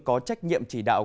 có trách nhiệm chỉ đạo